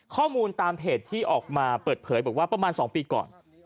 ข้อมูลตามเพจที่ออกมาเปิดเผยบอกว่าประมาณ๒ปีก่อน